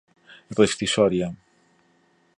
rescisória